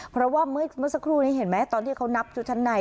เพราะว่าเมื่อสักครู่นี้เห็นไหมตอนที่เขานับชุดชั้นใน